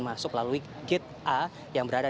masuk melalui gate a yang berada